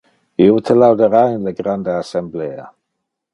Io te laudara in le grande assemblea.